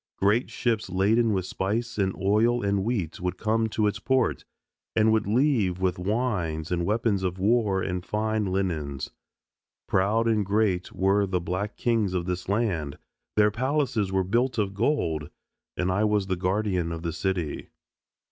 Great ships laden with spice and oil and wheat would come to its port, and would leave with wines and weapons of war and fine linens. Proud and great were the black kings of this land, their palaces were built of gold, and I was the Guardian of the City.